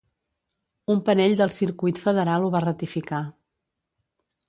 Un panell del Circuit Federal ho va ratificar.